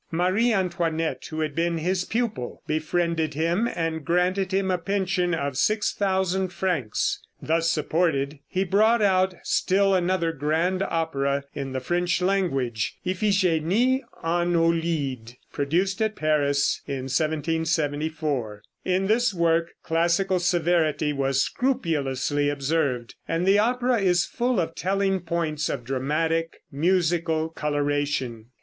Marie Antoinette, who had been his pupil, befriended him and granted him a pension of 6,000 francs. Thus supported, he brought out still another grand opera in the French language, "Iphigenie en Aulide," produced at Paris in 1774. In this work classical severity was scrupulously observed, and the opera is full of telling points of dramatic musical coloration.